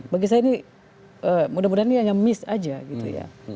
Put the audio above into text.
bagi saya ini mudah mudahan ini hanya miss saja